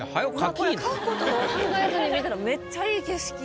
これ描くことを考えずに見たらめっちゃいい景色。